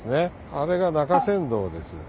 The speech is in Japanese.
あれが中山道です。